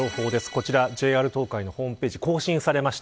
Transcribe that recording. こちらＪＲ東海のホームページ更新されました。